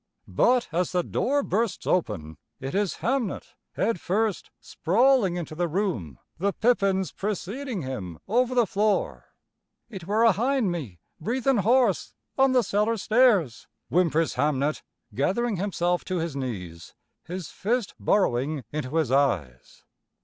But as the door bursts open, it is Hamnet, head first, sprawling into the room, the pippins preceding him over the floor. "It were ahind me, breathin' hoarse, on the cellar stairs," whimpers Hamnet, gathering himself to his knees, his fist burrowing into his eyes.